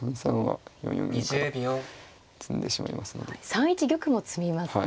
３一玉も詰みますね。